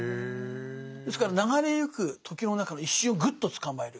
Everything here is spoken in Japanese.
ですから流れゆく時の中の一瞬をぐっと捕まえる。